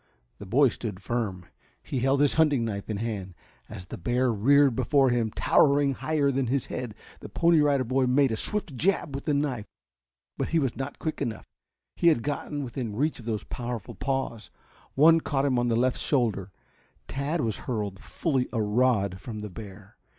The boy stood firm. He held his hunting knife in hand. As the bear reared before him, towering higher than his head, the Pony Rider Boy made a swift jab with the knife. But he was not quick enough. He had got within reach of those powerful paws. One caught him on the left shoulder. Tad was hurled fully a rod from the bear.